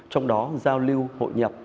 trong đó giao lưu hội nhập